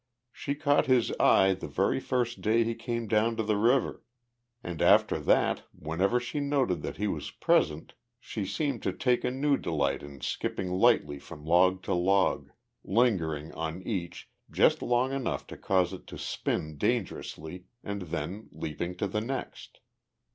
She caught his eye the very first day he came down to the river, and after that, whenever she noted that he was present she seemed to take a new delight in skipping lightly from log to log, lingering on each just long enough to cause it to spin dangerously and then leaping to the next.